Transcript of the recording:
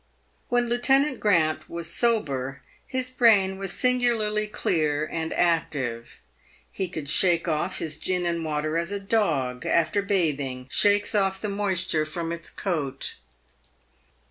"When Lieutenant Grant was sober, his brain was singularly clear and active. He could shake off his gin and water as a dog, after bathing, shakes off the moisture from its coat.